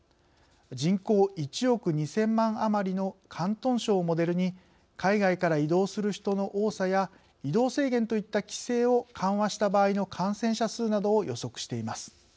人口１億２０００万余りの広東省をモデルに海外から移動する人の多さや移動制限といった規制を緩和した場合の感染者数などを予測しています。